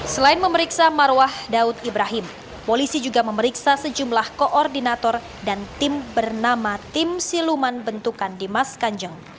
selain memeriksa marwah daud ibrahim polisi juga memeriksa sejumlah koordinator dan tim bernama tim siluman bentukan dimas kanjeng